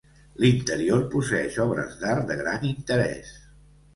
L'interior posseeix obres d'art de gran interès.